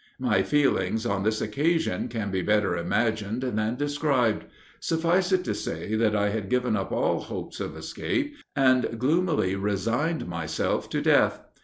My feelings, on this occasion, can be better imagined than described; suffice it to say, that I had given up all hopes of escape, and gloomily resigned myself to death.